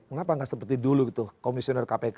kenapa nggak seperti dulu gitu komisioner kpk